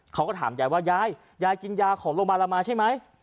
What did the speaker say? เขาก็ถามยายว่ายายยายกินยาของโรงพยาบาลเรามาใช่ไหม